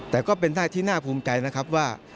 แต่ก็เป็นท่าที่น่าภูมิใจนะครับว่า